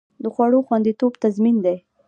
د خوړو خوندیتوب تضمین دی؟